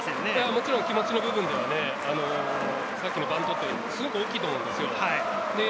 もちろん気持ちの部分ではさっきのバントはすごく大きいと思うんです。